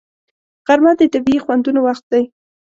غرمه د طبیعي خوندونو وخت دی